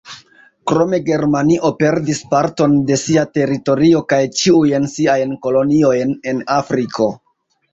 Krome Germanio perdis parton de sia teritorio kaj ĉiujn siajn koloniojn en Afriko.